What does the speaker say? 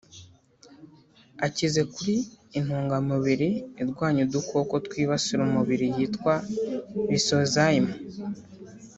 akize kuri intungamubiri irwanya udukoko twibasira umubiri yitwa Lysozyme